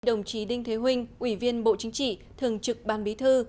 đồng chí đinh thế huệ ủy viên bộ chính trị thường trực ban bí thư